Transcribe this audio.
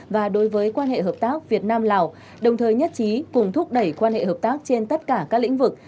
và đối với quan hệ hợp tác việt nam lào đồng thời nhất trí cùng thúc đẩy quan hệ hợp tác trên tất cả các lĩnh vực